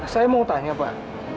saya mau tanya pak